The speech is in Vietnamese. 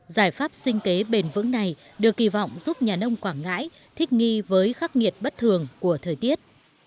giải pháp sinh kế bền vững này được kỳ vọng giúp nhà nông quảng ngãi thích nghi với khắc nghiệt bất thường của thời tiết